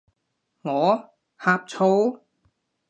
我？呷醋？